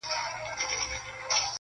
o خر هغه خر دئ، خو توبره ئې نوې سوې ده!